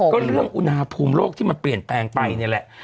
ก็เรื่องอุณหภูมิโลกที่มันเปลี่ยนแปลงไปนี่แหละ